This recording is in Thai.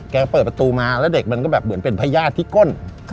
เปิดประตูมาแล้วเด็กมันก็แบบเหมือนเป็นพญาติที่ก้น